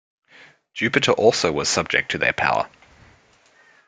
Jupiter also was subject to their power.